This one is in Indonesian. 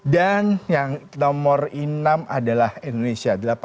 dan yang nomor enam adalah indonesia